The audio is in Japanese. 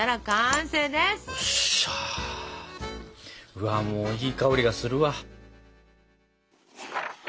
うわもういい香りがするわ。